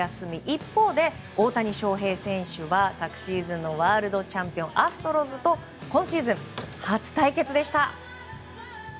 一方で大谷翔平選手は昨シーズンのワールドチャンピオンアストロズと今シーズン初対決でした。